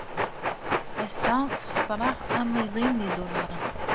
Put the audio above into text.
Ass-a, sxeṣreɣ tamiḍi n yidulaṛen.